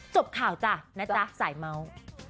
จบข่าวจ้ะนะจ๊ะสายเมาส์